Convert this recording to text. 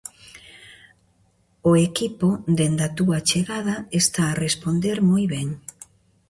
O equipo dende a túa chegada está a responder moi ben.